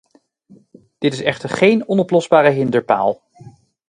Dit is echter geen onoplosbare hinderpaal.